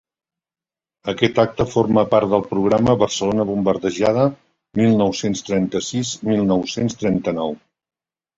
Aquest acte forma part del programa Barcelona bombardejada, mil nou-cents trenta-sis-mil nou-cents trenta-nou.